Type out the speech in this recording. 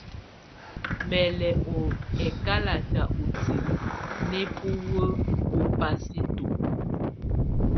Mɛ̀ lù ɛkalatɛ utilǝ nɛ̀ buwǝ́ bù pasito.